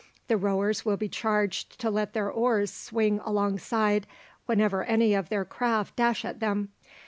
The rowers will be charged to let their oars swing alongside whenever any of their craft dash at them.